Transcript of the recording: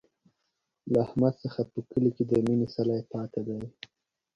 له احمد څخه په کلي کې د مینې څلی پاتې دی.